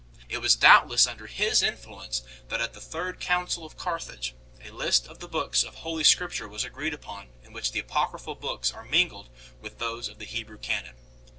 It was doubt less under his influence that, at the third Council of Carth age 5 , a list of the books of Holy Scripture was agreed upon in which the Apocryphal books are mingled with those of the Hebrew canon.